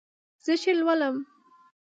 زه شعر لولم